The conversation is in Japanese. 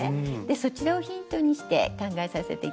そちらをヒントにして考えさせて頂きました。